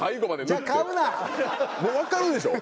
もうわかるでしょ？